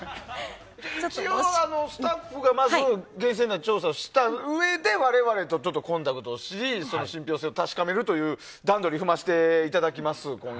一応、スタッフが厳選な調査をしたうえで我々とコンタクトしてその信憑性を確かめるという段取りを踏ませていただきます。